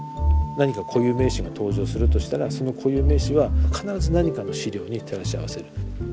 何か固有名詞が登場するとしたらその固有名詞は必ず何かの資料に照らし合わせる。